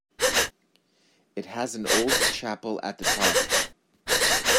It has an old chapel at the top.